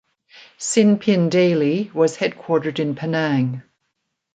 "Sin Pin Daily" was headquartered in Penang.